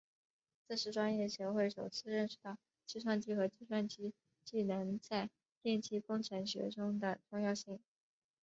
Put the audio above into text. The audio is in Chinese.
这是专业协会首次认识到计算机和计算机技术在电气工程学中的重要性。